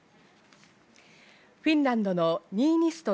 フィンランドのニーニスト